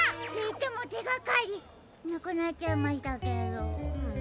いってもてがかりなくなっちゃいましたけど。